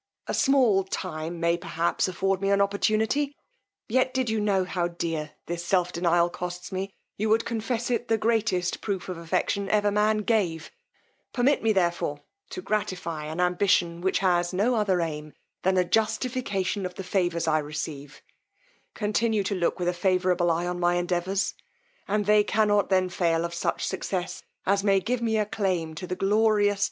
A small time may, perhaps, afford me an opportunity: yet did you know how dear this self denial costs me, you would confess it the greatest proof of affection ever man gave: permit me therefore to gratify an ambition which has no other aim than a justification of the favours I receive: continue to look with a favourable eye on my endeavours, and they cannot then fail of such success, as may give me a claim to the glorious.